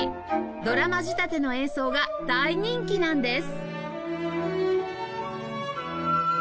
ドラマ仕立ての演奏が大人気なんです！